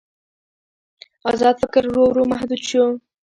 ازاد فکر ورو ورو محدود شو.